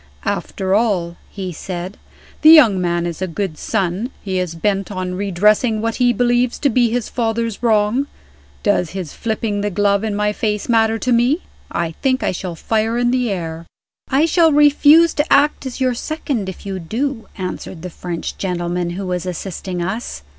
"After all," he said, "the young man is a good son he is bent on redressing what he believes to be his father's wrong. Does his flipping his glove in my face matter to me? I think I shall fire in the air." "I shall refuse to act as your second if you do," answered the French gentleman who was assisting us.